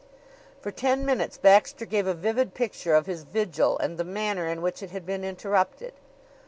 For ten minutes Baxter gave a vivid picture of his vigil and the manner in which it had been interrupted.